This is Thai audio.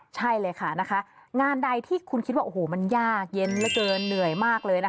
ใช่เลยค่ะงานใดที่คุณคิดว่ามันยากเย็นเกินเหนื่อยมากเลย